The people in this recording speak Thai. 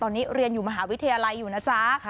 ตอนนี้เรียนอยู่มหาวิทยาลัยอยู่นะจ๊ะ